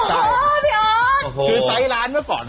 ใช่โอ้โฮพี่ออสโอ้โฮคือไฟล์ร้านเมื่อก่อน